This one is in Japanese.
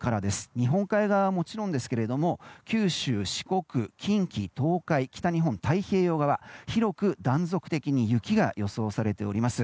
日本海側はもちろんですけれども九州、四国、近畿、東海北日本、太平洋側広く断続的に雪が予想されております。